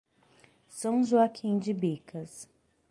São Joaquim de Bicas